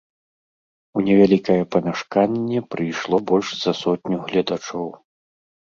У невялікае памяшканне прыйшло больш за сотню гледачоў.